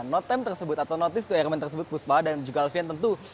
notem tersebut atau notice to airmen tersebut puspa dan juga alfian tentu